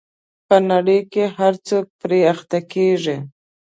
په نړۍ کې هر څوک پرې اخته کېږي.